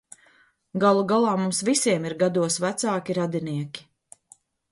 Galu galā mums visiem ir gados vecāki radinieki.